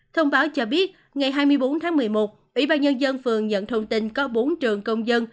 thông báo cho biết ngày hai mươi bốn tháng một mươi một ủy ban nhân dân phường nhận thông tin có bốn trường công dân